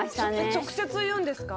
直接言うんですか？